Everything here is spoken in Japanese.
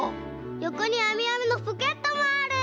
よこにあみあみのポケットもある！